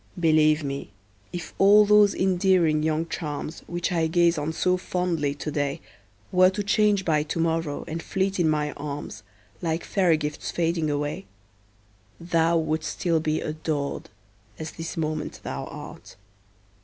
Believe me, if all those endearing young charms, Which I gaze on so fondly today, Were to change by to morrow, and fleet in my arms, Like fairy gifts fading away, Thou wouldst still be adored, as this moment thou art.